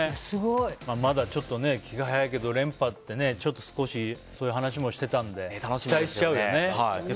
まだちょっと気が早いけど連覇ってちょっと少しそういう話もしてたので期待しちゃうよね。